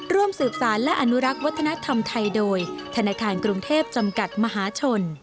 ร่วมสืบสารและอนุรักษ์วัฒนธรรมไทยโดยธนาคารกรุงเทพจำกัดมหาชน